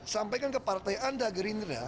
sampaikan ke partai anda gerindra